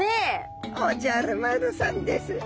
おじゃる丸さんです。